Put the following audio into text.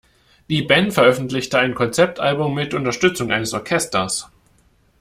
Die Band veröffentlichte ein Konzeptalbum mit Unterstützung eines Orchesters.